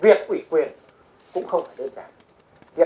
việc quý quyền cũng không phải đơn giản